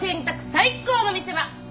最高の見せ場。